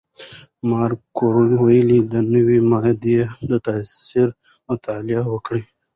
ماري کوري ولې د نوې ماده د تاثیر مطالعه وکړه؟